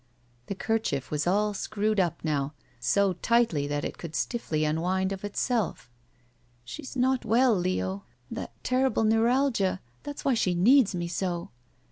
The kerchief was all screwed up now, so tightly that it could stifiSy imwind of itself. "She's not well, Leo. That terrible neuralgia — that's why she needs me so."